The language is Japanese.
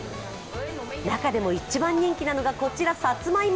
中でも一番人気なのがこちら、さつまいも。